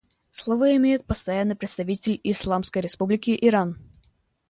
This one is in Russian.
Слово имеет Постоянный представитель Исламской Республики Иран.